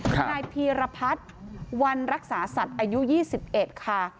นายพีรพัฒน์วันรักษาสัตว์อายุ๒๑ค่ะ